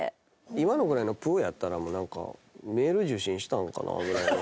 今のぐらいのプッやったらもうなんかメール受信したんかな？ぐらいの。